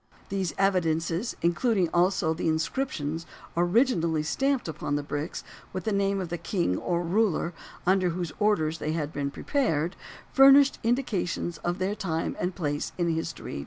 These evidences, including also the inscriptions originally stamped upon the bricks, with the name of the king or ruler under whose orders they had been prepared, furnish indications of their time and place in history.